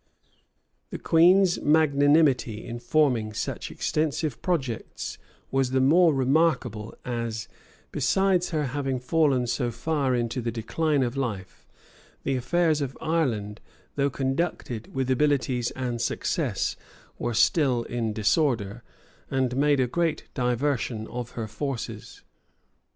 The queen's magnanimity in forming such extensive projects was the more remarkable, as, besides her having fallen so far into the decline of life, the affairs of Ireland, though conducted with abilities and success, were still in disorder, and made a great diversion of her forces.